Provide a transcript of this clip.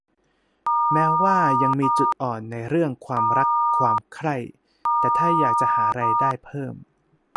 แม้ว่ายังมีจุดอ่อนในเรื่องความรักความใคร่ แต่ถ้าอยากจะหารายได้เพิ่ม